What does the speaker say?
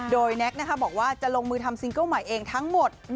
โดยแน็กบอกว่าจะลงมือทำซิงเกิ้ลใหม่เองทั้งหมด